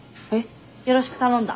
よろしく頼んだ。